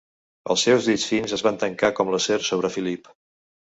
Els seus dits fins es van tancar com l'acer sobre Philip.